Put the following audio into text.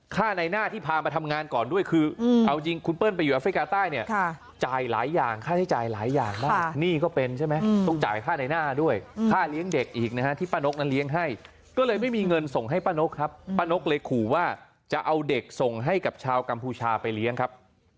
ค่าในหน้าที่พามาทำงานก่อนด้วยคือเอาจริงคุณเปิ้ลไปอยู่แอฟริกาใต้เนี่ยจ่ายหลายอย่างค่าใช้จ่ายหลายอย่างบ้างหนี้ก็เป็นใช่ไหมต้องจ่ายค่าในหน้าด้วยค่าเลี้ยงเด็กอีกนะฮะที่ป้านกนั้นเลี้ยงให้ก็เลยไม่มีเงินส่งให้ป้านกครับป้านกเลยขู่ว่าจะเอาเด็กส่งให้กับชาวกัมพูชาไปเลี้ยงครับ